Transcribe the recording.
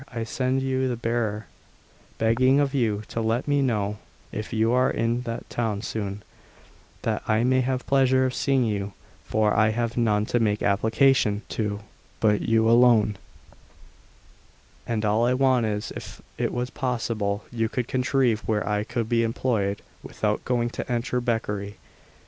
I send you the bearer, begging of you to let me know if you are to be in town soon, that I may have the pleasure of seeing you, for I have none to make application to but you alone; and all I want is, if it was possible you could contrive where I could be employed without going to entire beggary.